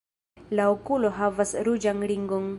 La okulo havas ruĝan ringon.